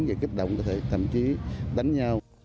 dễ kích động có thể thậm chí đánh nhau